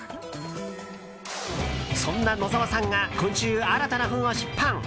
そんな野澤さんが今週、新たな本を出版。